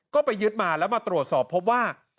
ก็ไปยึดมาแล้วมาตรวจสอบพบว่า